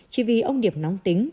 chỉ vì ông điệp nóng tính